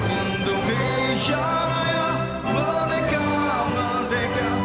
indonesia raya merdeka merdeka